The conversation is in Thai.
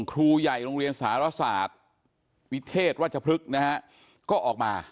ครูใหญ่โรงเรียนสารศาสตร์วิเทศวัชพฤกษ์นะฮะก็ออกมา